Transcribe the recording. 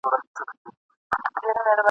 د دې پردیو له چیناره سره نه جوړیږي !.